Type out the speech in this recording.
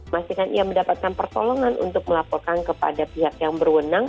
pastikan ia mendapatkan pertolongan untuk melaporkan kepada pihak yang berwenang